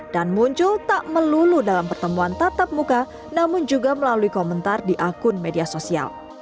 dan muncul tak melulu dalam pertemuan tatap muka namun juga melalui komentar di akun media sosial